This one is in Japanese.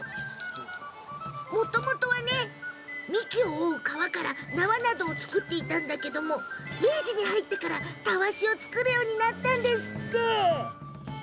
もともとは幹を覆う皮から縄などを作っていたんですが明治に入ってからたわしを作るようになったんですって。